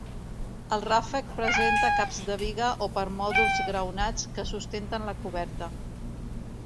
El ràfec presenta caps de biga o permòdols graonats, que sustenten la coberta.